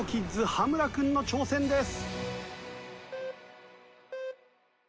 羽村君の挑戦です。